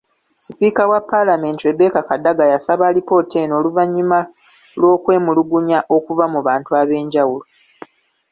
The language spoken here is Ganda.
Sipiika wa palamenti Rebecca Kadaga yasaba alipoota eno oluvannyuma lw'okwemulugunya okuva mu bantu ab'enjawulo.